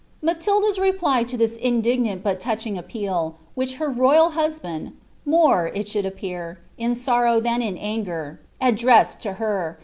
* k replv to this indignant but touching appeal, which her royal I , more, it should appear, in sorrow than in anger, addressed to j W.